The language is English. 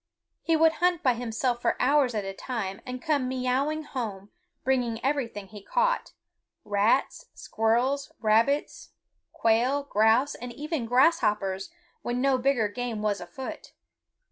He would hunt by himself for hours at a time, and come meowing home, bringing everything he caught, rats, squirrels, rabbits, quail, grouse, and even grasshoppers when no bigger game was afoot.